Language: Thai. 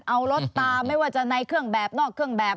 เอารถตามไม่ว่าจะในเครื่องแบบนอกเครื่องแบบ